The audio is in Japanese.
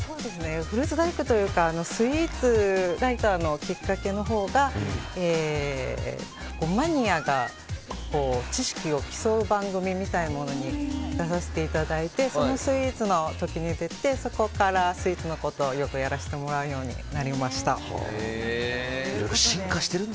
フルーツ大福というかスイーツライターのきっかけがマニアが知識を競う番組に出させていただいてそのスイーツの時に出てそこからスイーツのことをよくやらせてもらうようになりました。